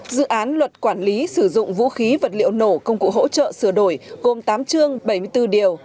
dự án luật quản lý sử dụng vũ khí vật liệu nổ công cụ hỗ trợ sửa đổi gồm tám chương bảy mươi bốn điều